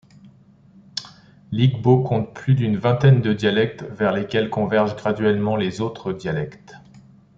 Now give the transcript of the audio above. L’igbo compte plus d’une vingtaine de dialectes vers lesquels convergent graduellement les autres dialectes.